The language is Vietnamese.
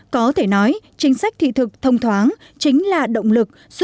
có thể nói chính sách thị thực thông thoáng chính là động lực